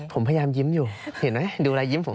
ผมพยายามยิ้มอยู่เห็นไหมดูรอยยิ้มผม